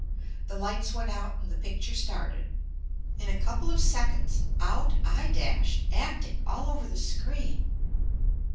The lights went out and the picture started. In a couple of seconds out I dashed, acting all over the screen.